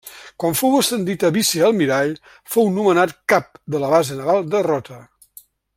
Quan fou ascendit a vicealmirall fou nomenat cap de la Base Naval de Rota.